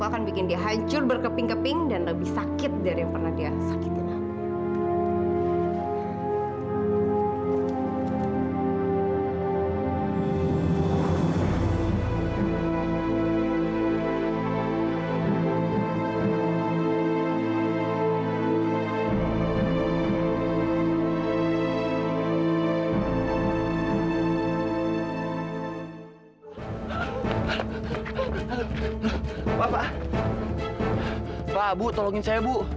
sampai jumpa di video selanjutnya